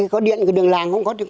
có điện đường làng không